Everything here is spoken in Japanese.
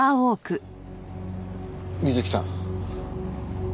美月さん。